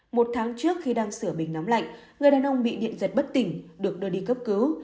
một tháng trước khi đang sửa bình nóng lạnh người đàn ông bị điện giật bất tỉnh được đưa đi cấp cứu